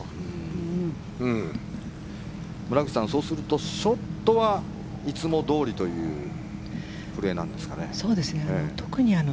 村口さん、そうするとショットはいつもどおりという古江なんですかね。